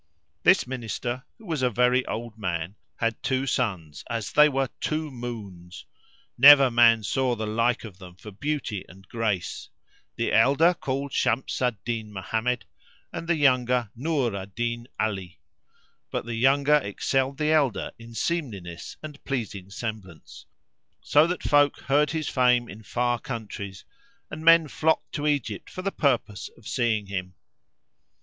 This Minister, who was a very old man, had two sons, as they were two moons; never man saw the like of them for beauty and grace, the elder called Shams al Din Mohammed and the younger Nur al Din Ali; but the younger excelled the elder in seemliness and pleasing semblance, so that folk heard his fame in far countries and men flocked to Egypt for the purpose of seeing him.